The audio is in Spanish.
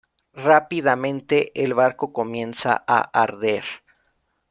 Rápidamente el barco comienza a arder.